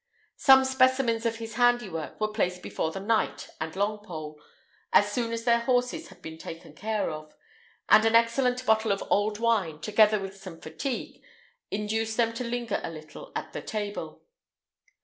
Some specimens of his handiwork were placed before the knight and Longpole, as soon as their horses had been taken care of; and an excellent bottle of old wine, together with some fatigue, induced them to linger a little at the table.